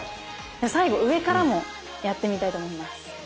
最後上からもやってみたいと思います。